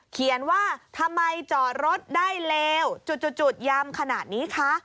เขียนว่าทำไมจอดรถได้เลวจุดยามขนาดนี้คะ